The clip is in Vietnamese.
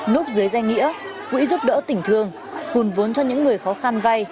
nút giới danh nghĩa quỹ giúp đỡ tỉnh thương hùn vốn cho những người khó khăn vay